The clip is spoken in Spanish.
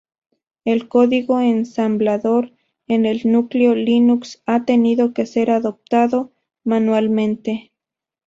El código Ensamblador en el núcleo Linux ha tenido que ser adaptado manualmente.